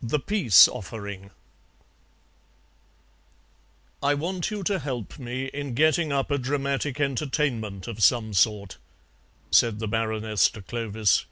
THE PEACE OFFERING "I want you to help me in getting up a dramatic entertainment of some sort," said the Baroness to Clovis.